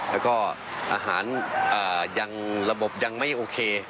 แล้วก็อาหารยังระบบยังไม่โอเค